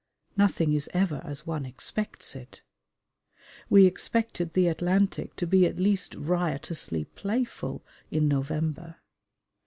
Nothing is ever as one expects it. We expected the Atlantic to be at least riotously playful in November.